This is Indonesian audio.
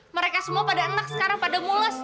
mereka semua pada enak sekarang pada mulas